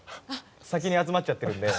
先に集まっちゃっているので。